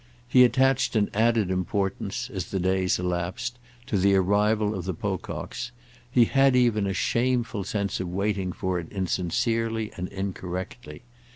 He attached an added importance, as the days elapsed, to the arrival of the Pococks; he had even a shameful sense of waiting for it insincerely and incorrectly.